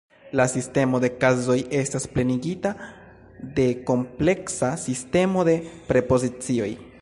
La sistemo de kazoj estas plenigita de kompleksa sistemo de prepozicioj.